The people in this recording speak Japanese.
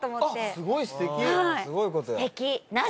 すごいことやん。